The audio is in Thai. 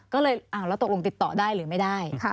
ก็เลยแล้วตกลงติดต่อได้หรือไม่ได้